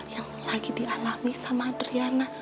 yang lagi dialami sama adriana